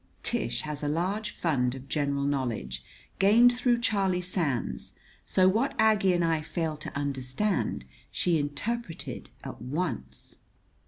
'" Tish has a large fund of general knowledge, gained through Charlie Sands; so what Aggie and I failed to understand she interpreted at once.